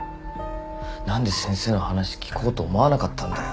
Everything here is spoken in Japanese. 何で先生の話聞こうと思わなかったんだよ。